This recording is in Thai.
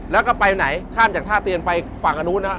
แล้วก็ไปไหนข้ามจากท่าเตียนไปฝั่งอันนู้นนะฮะ